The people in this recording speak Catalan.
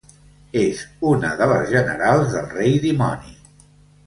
És una de les generals del Rei Dimoni.